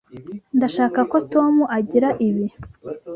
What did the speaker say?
Ndashaka ko Tom agira ibi.